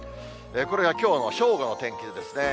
これがきょうの正午の天気図ですね。